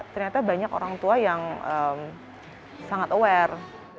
ternyata banyak orang tua yang sangat aware